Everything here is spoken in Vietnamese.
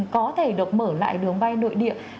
có thể được mở lại đường bay nội địa